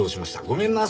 ごめんな。